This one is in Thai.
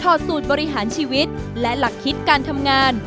อดสูตรบริหารชีวิตและหลักคิดการทำงาน